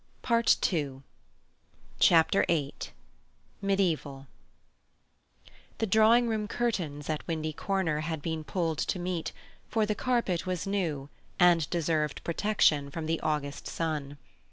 PART TWO Chapter VIII Medieval The drawing room curtains at Windy Corner had been pulled to meet, for the carpet was new and deserved protection from the August sun.